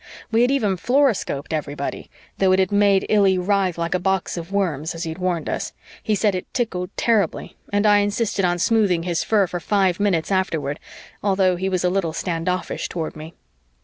We had even fluoroscoped everybody, though it had made Illy writhe like a box of worms, as he'd warned us; he said it tickled terribly and I insisted on smoothing his fur for five minutes afterward, although he was a little standoffish toward me.